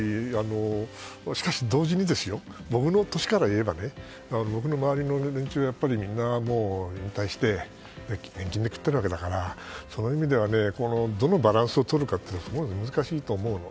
しかし同時に、僕の年からいえば僕の周りの連中はみんな引退して年金で食ってるわけだからそういう意味ではどのバランスをとるかというのはすごい難しいと思います。